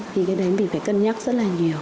thì cái đấy mình phải cân nhắc rất là nhiều